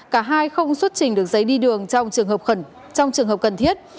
cả hai không xuất trình được giấy đi đường trong trường hợp cần thiết